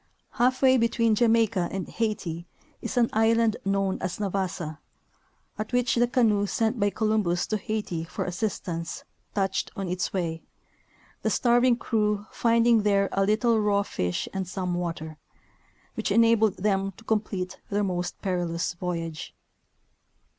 Half way between Jamaica and Haiti is an island known as Navassa, at which the canoe sent by Columbus to Haiti for assistance touched on its way, the starving crew finding there a little raw fish and some water, which enabled them to complete their most perilous voyage.